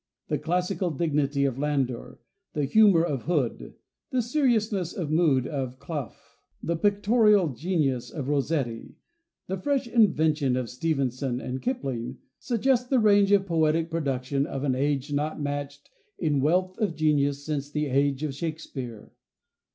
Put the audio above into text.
The classical dignity of Landor, the humor of Hood, the seriousness of mood of Clough (kluff), the pictorial genius of Rossetti, the fresh invention of Stevenson and Kipling, suggest the range of poetic production of an age not matched in wealth of genius since the age of Shakespeare.